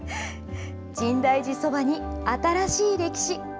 深大寺そばに新しい歴史。